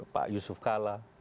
pak yusuf kalla